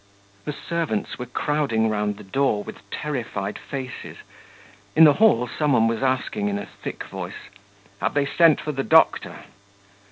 The servants were crowding round the door with terrified faces; in the hall some one was asking in a thick voice: 'Have they sent for the doctor?'